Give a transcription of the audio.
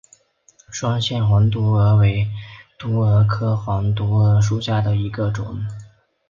双线黄毒蛾为毒蛾科黄毒蛾属下的一个种。